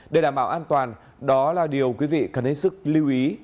để đảm bảo an toàn đó là điều quý vị cần hết sức lưu ý